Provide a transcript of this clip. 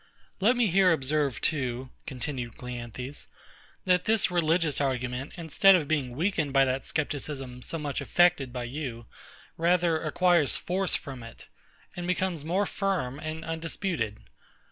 Let me here observe too, continued CLEANTHES, that this religious argument, instead of being weakened by that scepticism so much affected by you, rather acquires force from it, and becomes more firm and undisputed.